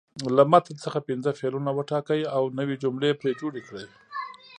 له متن څخه پنځه فعلونه وټاکئ او نوې جملې پرې جوړې کړئ.